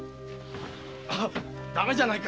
ダメじゃないか。